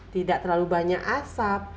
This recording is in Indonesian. tidak terlalu banyak asap